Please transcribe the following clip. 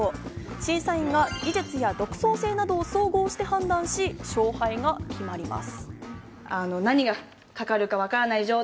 審査員は技術や独創性などを総合して判断し、勝敗が決まります。